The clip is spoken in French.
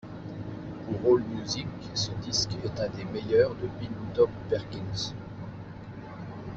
Pour Allmusic, ce disque est un des meilleurs de Pinetop Perkins.